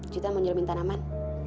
juwita mau nyelamin tanaman